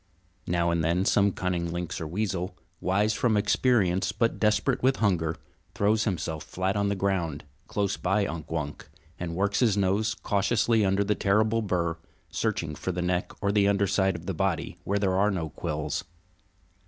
Now and then some cunning lynx or weasel, wise from experience but desperate with hunger, throws himself flat on the ground, close by Unk Wunk, and works his nose cautiously under the terrible bur, searching for the neck or the underside of the body, where there are no quills.